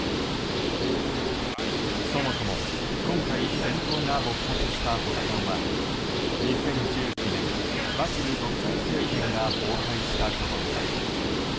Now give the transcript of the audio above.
そもそも、今回戦闘が勃発した発端は２０１９年、バシル独裁政権が崩壊したことです。